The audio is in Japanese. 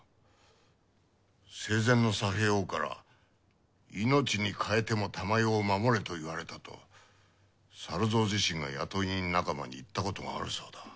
生前の佐兵衛翁から命にかえても珠世を守れと言われたと猿蔵自身が雇い人仲間に言ったことがあるそうだ。